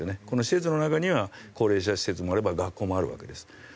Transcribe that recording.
この施設の中には高齢者施設もあれば学校もあるわけです。